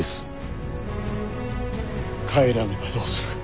返らねばどうする？